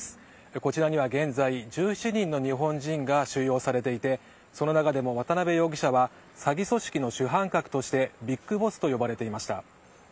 こちらには現在１７人の日本人が収容されていてその中でも渡辺容疑者は詐欺組織の主犯格としてビッグボスと呼ばれていました。